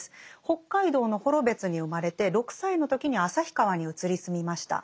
北海道の幌別に生まれて６歳の時に旭川に移り住みました。